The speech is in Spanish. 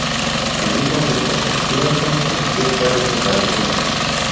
Al mismo tiempo, Stevenson parecía estar desapareciendo.